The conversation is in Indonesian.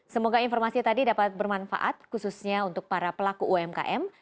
semoga informasi tadi dapat bermanfaat khususnya untuk para pelaku umkm